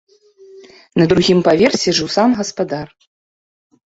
На другім паверсе жыў сам гаспадар.